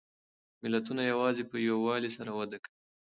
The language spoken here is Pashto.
ملتونه یوازې په یووالي سره وده کوي.